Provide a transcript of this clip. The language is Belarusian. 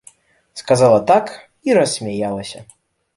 Сказала так і рассмяялася.